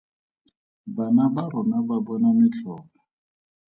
Bana ba rona ba bona metlholo.